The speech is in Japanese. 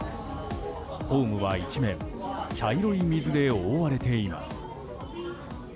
ホームは一面茶色い水で覆われています。